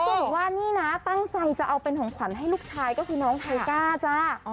บอกว่านี่นะตั้งใจจะเอาเป็นของขวัญให้ลูกชายก็คือน้องไทก้าจ้า